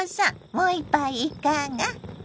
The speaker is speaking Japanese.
もう一杯いかが？